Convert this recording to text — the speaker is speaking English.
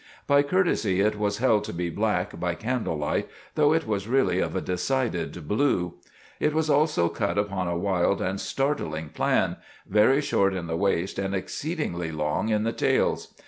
By courtesy it was held to be black by candle light, though it was really of a decided blue. It was also cut upon a wild and startling plan, very short in the waist and exceedingly long in the tails.